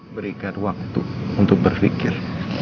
berikan waktu untuk berpikir